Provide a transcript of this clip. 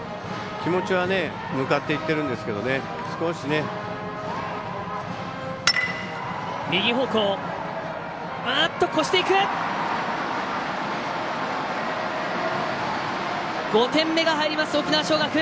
気持ちは向かっていってるんですけど５点目が入ります沖縄尚学！